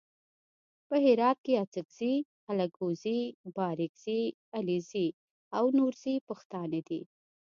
په هرات کې اڅګزي الکوزي بارګزي علیزي او نورزي پښتانه دي.